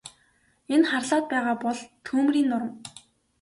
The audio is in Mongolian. Энэ харлаад байгаа бол түймрийн нурам.